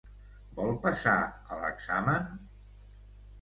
Vol passar a l'examen?